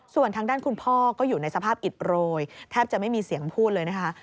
ส่วนทางด้านคุณพ่อก็อยู่ในสภาพอิดโรยแทบจะไม่มีเสียงพูดเลยนะคะ